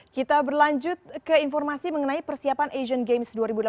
kita berlanjut ke informasi mengenai persiapan asian games dua ribu delapan belas